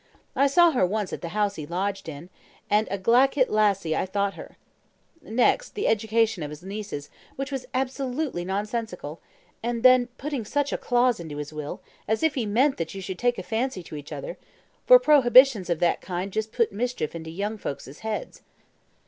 I saw her once at the house he lodged in; and a glaikit lassie I thought her. Next, the education of his nieces, which was absolutely nonsensical; and then putting such a clause into his will, as if he meant that you should take a fancy to each other for prohibitions of that kind just put mischief into young folks' heads."